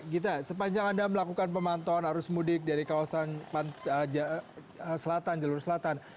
gita sepanjang anda melakukan pemantauan arus mudik dari kawasan selatan jalur selatan